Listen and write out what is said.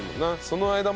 その間。